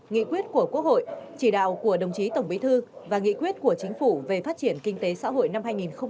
nghị quyết của quốc hội chỉ đạo của đồng chí tổng bí thư và nghị quyết của chính phủ về phát triển kinh tế xã hội năm hai nghìn hai mươi